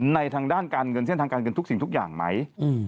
ทางด้านการเงินเส้นทางการเงินทุกสิ่งทุกอย่างไหม